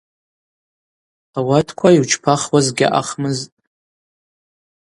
Ауатква йучпахуаз гьаъахмызтӏ.